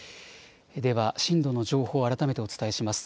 では震度の情報を改めてお伝えします。